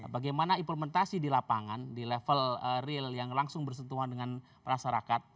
bagaimana implementasi di lapangan di level real yang langsung bersentuhan dengan masyarakat